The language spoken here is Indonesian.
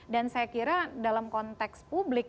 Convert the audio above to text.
dan saya kira dalam konteks publik